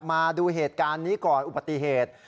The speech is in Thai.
มาดูเหตุการณ์นี้ก่อนอุบัติเหตุ